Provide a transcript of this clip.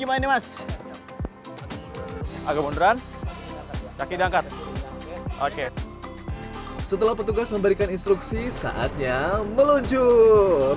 agak munduran kaki diangkat oke setelah petugas memberikan instruksi saatnya meluncur